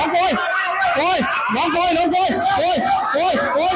เก๋โอ้ยน้องโก๊ยน้องโก๊ย